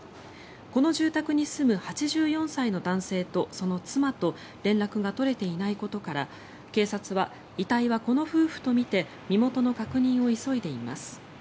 この住宅に住む８４歳の男性とその妻と連絡が取れていないことから警察は、遺体はこの夫婦とみて身元の確認を急いでいます。